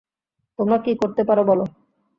তোমরা কী করতে পার বলো?